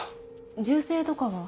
銃声とかは？